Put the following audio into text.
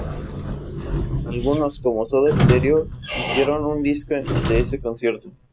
Algunos, como Soda Stereo, hicieron un disco de ese concierto.